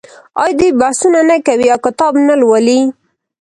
آیا دوی بحثونه نه کوي او کتاب نه لوالي؟